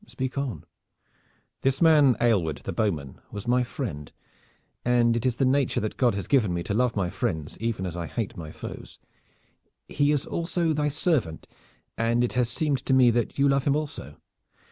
"Speak on." "This man Aylward the bowman was my friend, and it is the nature that God has given me to love my friends even as I hate my foes. He is also thy servant, and it has seemed to me that you love him also."